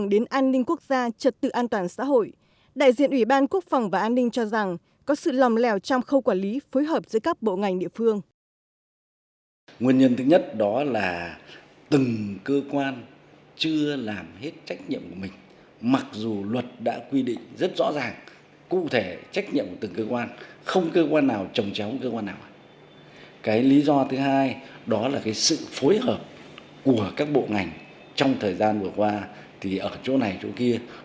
đại diện ủy ban quốc phòng và an ninh cho rằng có sự lầm lèo trong khâu quản lý phối hợp giữa các bộ ngành địa phương